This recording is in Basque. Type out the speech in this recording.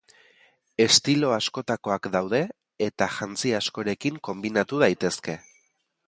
Estilo askotakoak daude eta jantzi askorekin konbinatu daitezke.